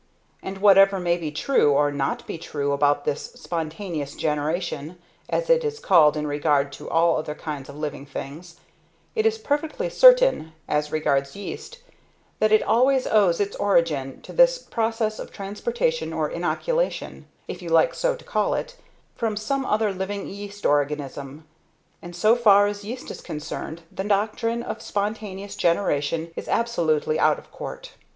And, whatever may be true or not be true about this "spontaneous generation," as it is called in regard to all other kinds of living things, it is perfectly certain, as regards yeast, that it always owes its origin to this process of transportation or inoculation, if you like so to call it, from some other living yeast organism; and so far as yeast is concerned, the doctrine of spontaneous generation is absolutely out of court.